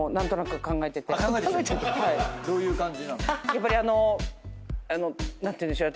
やっぱりあの何ていうんでしょう？